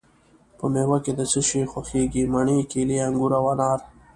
په میوه کی د څه خوښیږی؟ مڼې، کیلې، انګور او انار